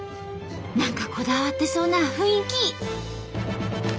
何かこだわってそうな雰囲気。